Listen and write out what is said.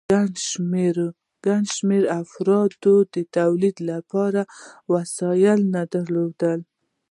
ګڼ شمېر افرادو د تولید لپاره وسیلې نه درلودې